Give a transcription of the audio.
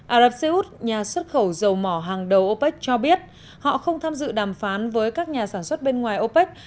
ả rập xê út nhà xuất khẩu dầu mỏ hàng đầu opec cho biết họ không tham dự đàm phán với các nhà sản xuất bên ngoài opec